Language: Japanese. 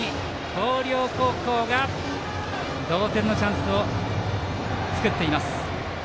広陵高校が同点のチャンスを作っています。